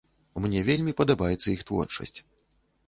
Мне вельмі падабаецца іх творчасць.